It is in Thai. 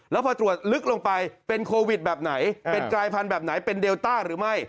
แล้วพอตรวจลึกลงไปเป็นโควิดแบบไหนเป็นกลายพันธุ์แบบไหนเป็นเดลต้าหรือไม่